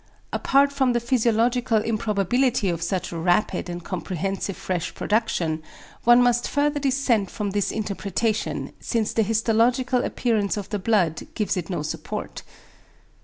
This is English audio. Apart from the physiological improbability of such a rapid and comprehensive fresh production, one must further dissent from this interpretation, since the histological appearance of the blood gives it no support.